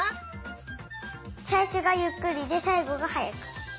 さいしょがゆっくりでさいごがはやく。